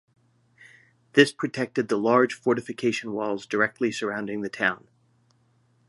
This protected the large fortification walls directly surrounding the town.